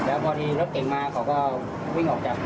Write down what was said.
แล้วพอดีรถเก่งมาเขาก็วิ่งออกจาก